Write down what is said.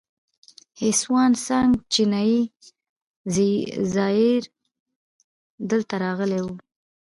هسوان سانګ چینایي زایر دلته راغلی و